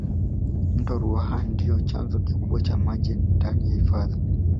mto ruaha ndiyo chanzo kikubwa cha maji ndani ya hifadhi